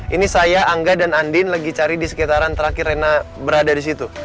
ini saya angga dan andin lagi cari di sekitaran terakhir rena berada di situ